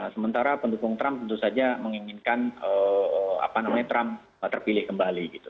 sementara pendukung trump tentu saja menginginkan trump terpilih kembali gitu